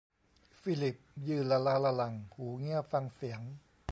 ฟิลิปยืนละล้าละลัง หูเงี่ยฟังเสียง